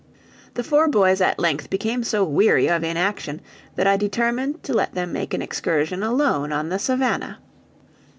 The four boys at length became so weary of inaction, that I determined to let them make an excursion alone on the Savannah.